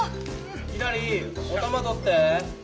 ひらりおたま取って。